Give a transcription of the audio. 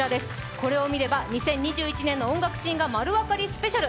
これをみれば２０２１年の音楽シーンがまるわかりスペシャル。